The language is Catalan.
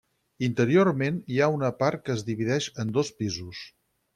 Interiorment hi ha una part que es divideix en dos pisos.